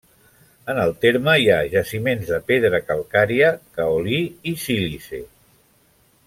En el terme hi ha jaciments de pedra calcària, caolí i sílice.